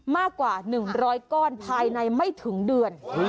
มากกว่า๑๐๐ก้อนภายในไม่ถึงเดือน